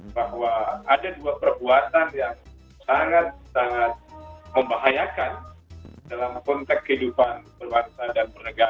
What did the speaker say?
bahwa ada dua perbuatan yang sangat sangat membahayakan dalam konteks kehidupan berbangsa dan bernegara